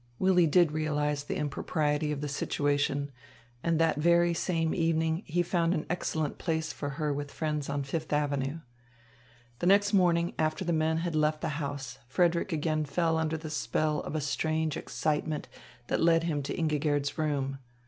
Willy did realise the impropriety of the situation; and that very same evening he found an excellent place for her with friends on Fifth Avenue. The next morning, after the men had left the house, Frederick again fell under the spell of a strange excitement that led him to Ingigerd's room.